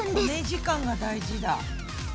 こね時間が大事だ。